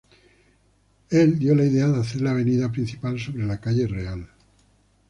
El dio la idea de hacer la avenida principal sobre la calle real.